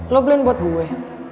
lo beliin buat gue